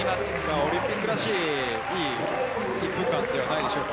オリンピックらしい、いい１分間じゃないでしょうか。